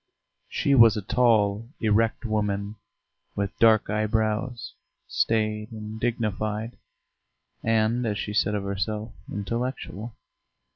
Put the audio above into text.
She was a tall, erect woman with dark eyebrows, staid and dignified, and, as she said of herself, intellectual.